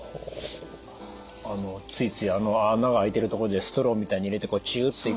あのついついあの孔があいてるところでストローみたいに入れてチュって。